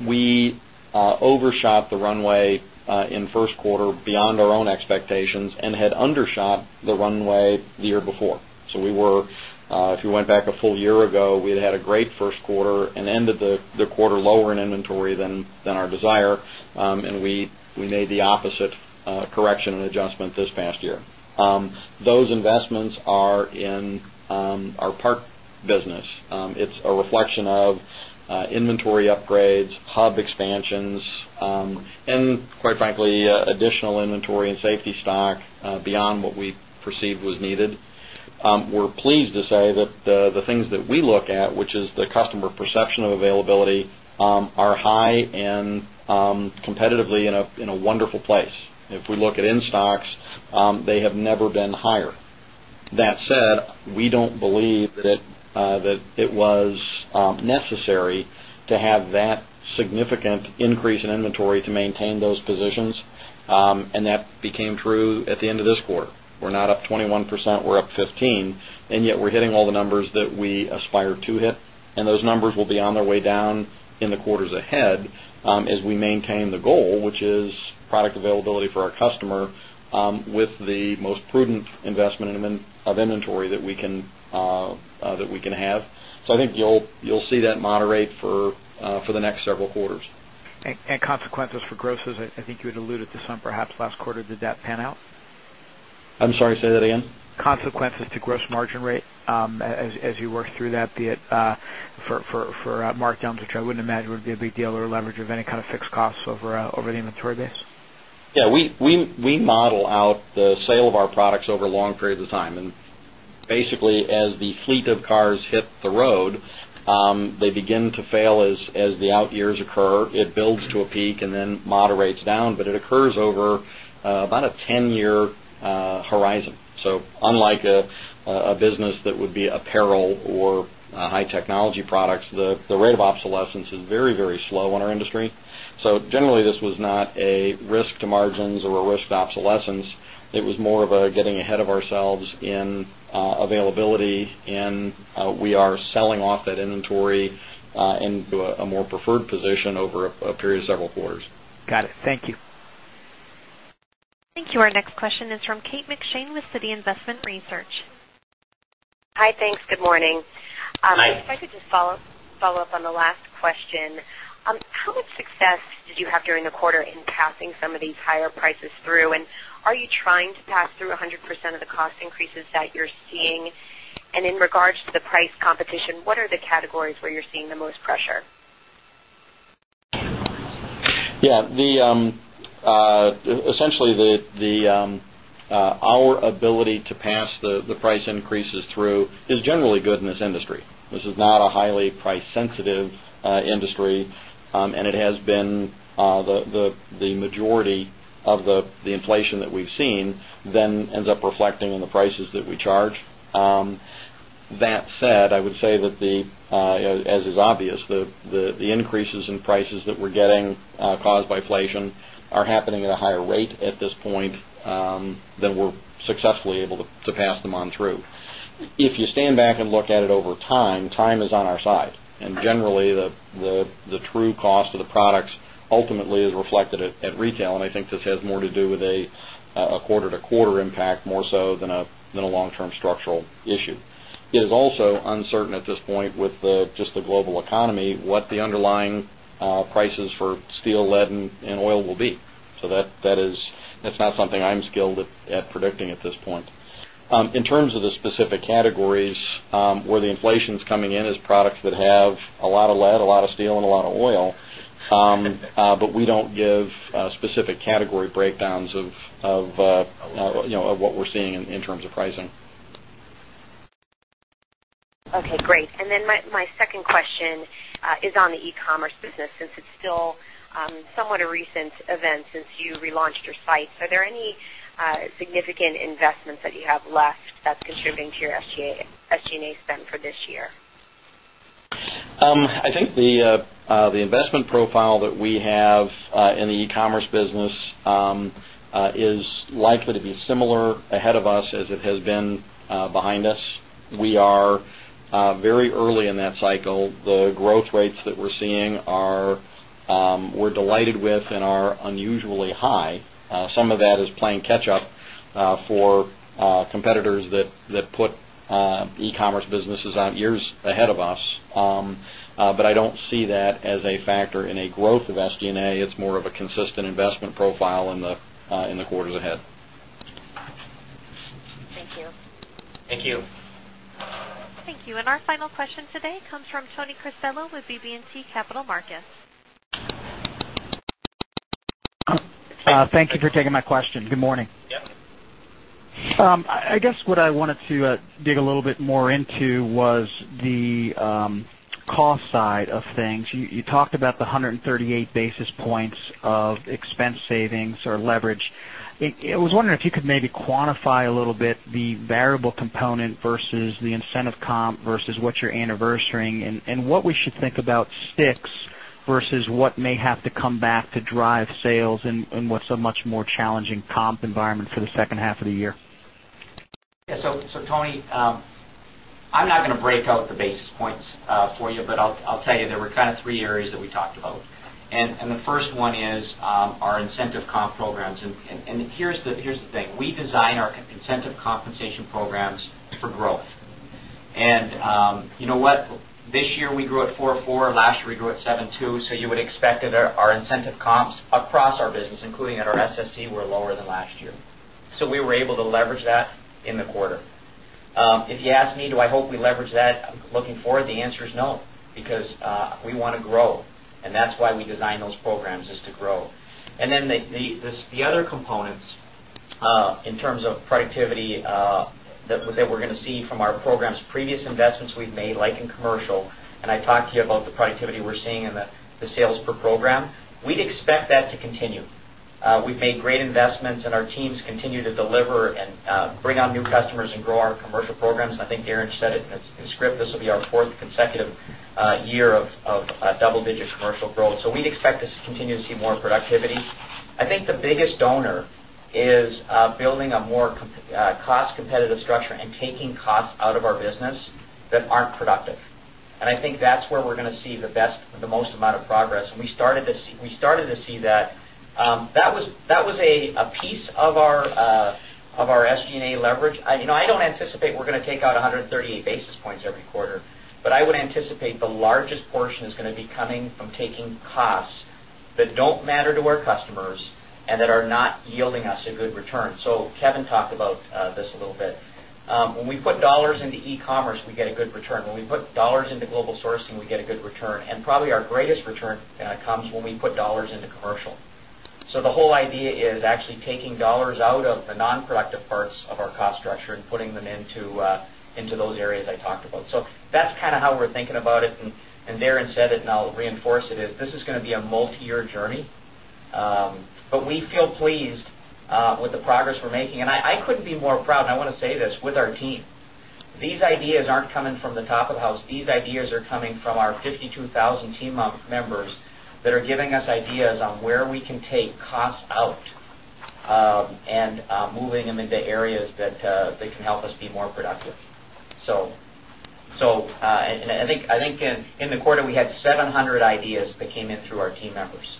we overshot the runway in the first quarter beyond our own expectations and had undershot the runway the year before. If we went back a full year ago, we had had a great first quarter and ended the quarter lower in inventory than our desire. We made the opposite correction and adjustment this past year. Those investments are in our parts business. It's a reflection of inventory upgrades, hub expansions, and, quite frankly, additional inventory and safety stock beyond what we perceived was needed. We're pleased to say that the things that we look at, which is the customer perception of availability, are high and competitively in a wonderful place. If we look at in stocks, they have never been higher. That said, we don't believe that it was necessary to have that significant increase in inventory to maintain those positions. That became true at the end of this quarter. We're not up 21%. We're up 15%. Yet we're hitting all the numbers that we aspire to hit. Those numbers will be on their way down in the quarters ahead as we maintain the goal, which is product availability for our customer with the most prudent investment of inventory that we can have. I think you'll see that moderate for the next several quarters. Consequences for grosses, I think you had alluded to some perhaps last quarter. Did that pan out? I'm sorry, say that again. Consequences to gross margin rate as you work through that, be it for markdowns, which I wouldn't imagine would be a big deal, or leverage of any kind of fixed costs over the inventory base. Yeah, we model out the sale of our products over long periods of time. Basically, as the fleet of cars hit the road, they begin to fail as the out years occur. It builds to a peak and then moderates down, but it occurs over about a 10-year horizon. Unlike a business that would be apparel or high-technology products, the rate of obsolescence is very, very slow in our industry. Generally, this was not a risk to margins or a risk to obsolescence. It was more of a getting ahead of ourselves in availability, and we are selling off that inventory into a more preferred position over a period of several quarters. Got it. Thank you. Thank you. Our next question is from Kate McShane with Citigroup Investment Research. Hi, thanks. Good morning. Hi. If I could just follow up on the last question, how much success did you have during the quarter in passing some of these higher prices through? Are you trying to pass through 100% of the cost increases that you're seeing? In regards to the price competition, what are the categories where you're seeing the most pressure? Yeah, essentially, our ability to pass the price increases through is generally good in this industry. This is not a highly price-sensitive industry, and it has been the majority of the inflation that we've seen then ends up reflecting in the prices that we charge. That said, I would say that, as is obvious, the increases in prices that we're getting caused by inflation are happening at a higher rate at this point than we're successfully able to pass them on through. If you stand back and look at it over time, time is on our side. Generally, the true cost of the products ultimately is reflected at retail. I think this has more to do with a quarter-to-quarter impact more so than a long-term structural issue. It is also uncertain at this point with just the global economy what the underlying prices for steel, lead, and oil will be. That is not something I'm skilled at predicting at this point. In terms of the specific categories where the inflation is coming in, it's products that have a lot of lead, a lot of steel, and a lot of oil. We don't give specific category breakdowns of what we're seeing in terms of pricing. Okay, great. My second question is on the e-commerce business. Since it's still somewhat a recent event since you relaunched your site, are there any significant investments that you have left that's contributing to your SG&A spend for this year? I think the investment profile that we have in the e-commerce business is likely to be similar ahead of us as it has been behind us. We are very early in that cycle. The growth rates that we're seeing are we're delighted with and are unusually high. Some of that is playing catch-up for competitors that put e-commerce businesses out years ahead of us. I don't see that as a factor in a growth of SG&A. It's more of a consistent investment profile in the quarters ahead. Thank you. Thank you. Thank you. Our final question today cocmes from Tony Cristello with BB&T Capital Markets. Thank you for taking my question. Good morning. Yeah. I guess what I wanted to dig a little bit more into was the cost side of things. You talked about the 138 basis points of expense savings or leverage. I was wondering if you could maybe quantify a little bit the variable component versus the incentive comp versus what you're anniversaring, and what we should think about sticks versus what may have to come back to drive sales in what's a much more challenging comp environment for the second half of the year. Yeah, so Tony, I'm not going to break out the basis points for you, but I'll tell you there were kind of three areas that we talked about. The first one is our incentive comp programs. Here's the thing. We design our incentive compensation programs for growth. You know what? This year we grew at 4.4%. Last year we grew at 7.2%. You would expect that our incentive comps across our business, including at our SSC, were lower than last year. We were able to leverage that in the quarter. If you ask me, do I hope we leverage that looking forward? The answer is no, because we want to grow. That's why we design those programs, is to grow. The other components in terms of productivity that we're going to see from our programs, previous investments we've made, like in commercial, and I talked to you about the productivity we're seeing in the sales per program, we'd expect that to continue. We've made great investments, and our teams continue to deliver and bring on new customers and grow our commercial programs. I think Darren said it in his script, this will be our fourth consecutive year of double-digit commercial growth. We'd expect to continue to see more productivities. I think the biggest donor is building a more cost-competitive structure and taking costs out of our business that aren't productive. I think that's where we're going to see the best, the most amount of progress. We started to see that. That was a piece of our SG&A leverage. I don't anticipate we're going to take out 138 basis points every quarter, but I would anticipate the largest portion is going to be coming from taking costs that don't matter to our customers and that are not yielding us a good return. Kevin talked about this a little bit. When we put dollars into e-commerce, we get a good return. When we put dollars into global sourcing, we get a good return. Probably our greatest return comes when we put dollars into commercial. The whole idea is actually taking dollars out of the non-productive parts of our cost structure and putting them into those areas I talked about. That's kind of how we're thinking about it. Darren said it, and I'll reinforce it, this is going to be a multi-year journey. We feel pleased with the progress we're making. I couldn't be more proud, and I want to say this, with our team. These ideas aren't coming from the top of the house. These ideas are coming from our 52,000 team members that are giving us ideas on where we can take costs out and moving them into areas that can help us be more productive. I think in the quarter, we had 700 ideas that came in through our team members.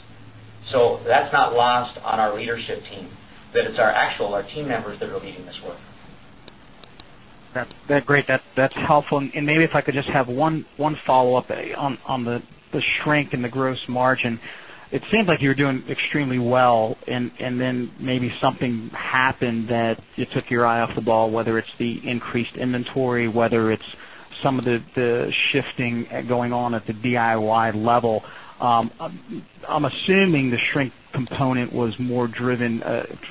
That's not lost on our leadership team, that it's actually our team members that are leading this work. Great. That's helpful. Maybe if I could just have one follow-up on the shrink in the gross margin. It seemed like you were doing extremely well, and then maybe something happened that it took your eye off the ball, whether it's the increased inventory, whether it's some of the shifting going on at the DIY level. I'm assuming the shrink component was more driven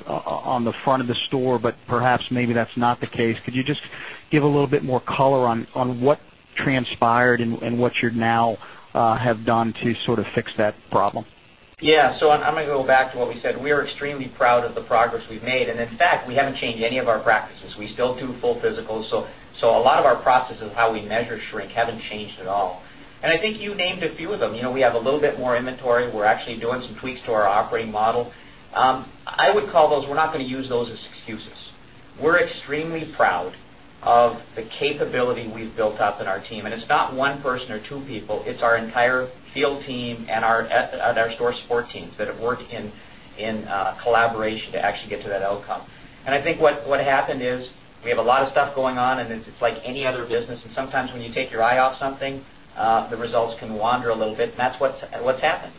on the front of the store, but perhaps maybe that's not the case. Could you just give a little bit more color on what transpired and what you now have done to sort of fix that problem? Yeah, I'm going to go back to what we said. We are extremely proud of the progress we've made. In fact, we haven't changed any of our practices. We still do full physicals. A lot of our processes of how we measure shrink haven't changed at all. I think you named a few of them. You know, we have a little bit more inventory. We're actually doing some tweaks to our operating model. I would call those, we're not going to use those as excuses. We're extremely proud of the capability we've built up in our team. It's not one person or two people. It's our entire field team and our store support teams that have worked in collaboration to actually get to that outcome. I think what happened is we have a lot of stuff going on, and it's like any other business. Sometimes when you take your eye off something, the results can wander a little bit. That's what's happened.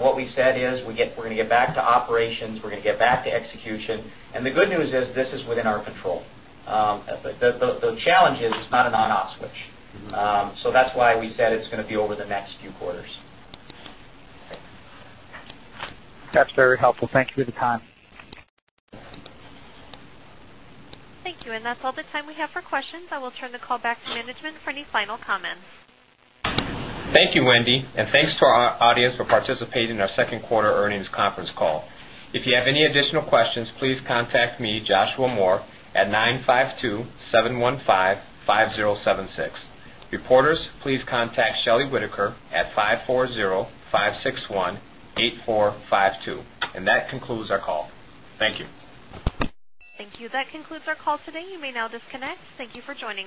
What we said is we're going to get back to operations. We're going to get back to execution. The good news is this is within our control. The challenge is it's not an on-off switch. That's why we said it's going to be over the next few quarters. That's very helpful. Thank you for the time. Thank you. That's all the time we have for questions. I will turn the call back to management for any final comments. Thank you, Wendy. Thank you to our audience for participating in our second quarter earnings conference call. If you have any additional questions, please contact me, Joshua Moore, at 952-715-5076. Reporters, please contact Shelley Whitaker at 540-561-8452. That concludes our call. Thank you. Thank you. That concludes our call today. You may now disconnect. Thank you for joining.